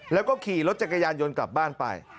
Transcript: แล้วก็ขี่รถจักรยานยนต์กลับบ้านไป